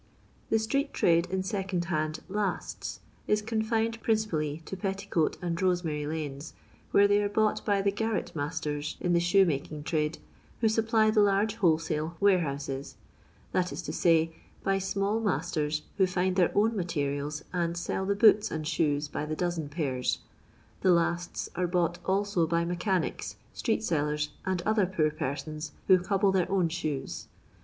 The street trade in second hand LaaU is confined principally to Petticoat and Bosemary lanes, where they are bought by the "garret masters" in the shoemaking trade who supply the large whole sale warehouses ; that is to say, by small masters who find their own materials and sell the boots and shoes by the dozen pairs. The lasts are bought also by mechanics, street sellers, and other poor persons who cobble their own shoes.